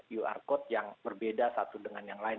qr code yang berbeda satu dengan yang lain